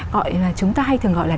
gọi là chúng ta hay thường gọi là